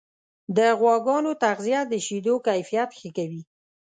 د غواګانو تغذیه د شیدو کیفیت ښه کوي.